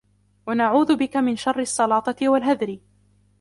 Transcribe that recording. وَنَعُوذُ بِك مِنْ شَرِّ السَّلَاطَةِ وَالْهَذْرِ